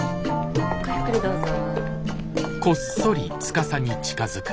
ごゆっくりどうぞ。